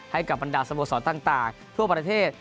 ให้กับบรรดาสโมสรต่างทั่วประเทศ